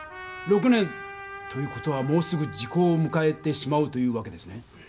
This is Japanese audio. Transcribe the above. ６年という事はもうすぐ時効をむかえてしまうというわけですね。